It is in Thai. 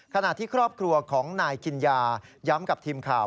ขณะที่ครอบครัวของนายกินยาย้ำกับทีมข่าว